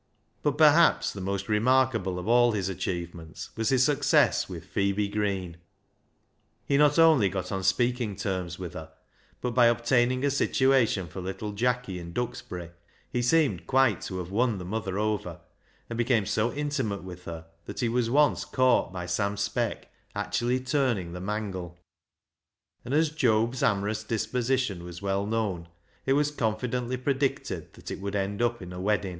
26 402 BECKSIDE LIGHTS But perhaps the most remarkable of all his achievements was his success with Phebe Green. He not only got on speaking terms with her, but, by obtaining a situation for little Jacky in Duxbury, he seemed quite to have won the mother over, and became so intimate with her that he was once caught by Sam Speck actually turning the mangle ; and as Job's amorous dis • position was well known, it was confidently predicted that it would " end up in a weddin'."